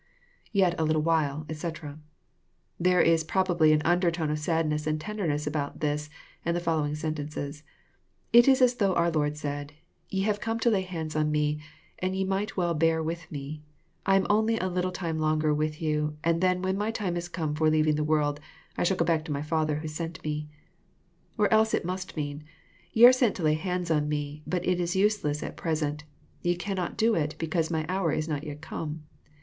[ Yet a little while, etc, ] There is probably an under tone of sadness and tenderness about this and the following sentences. It is as though our Lord said, Ye have come to lay hands on me, and yet ye might well bear with me. I am only a little time longer with you, and then when my time is come for leaving the world, I shall go back to my Father who sent me." Or else It must mean,/* Ye are sent to lay hands on me, but It Is useless at present: yeVpannot do It, because my hour Is not yet come.